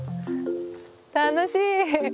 楽しい！